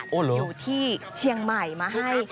อยู่ที่เชียงใหม่มาให้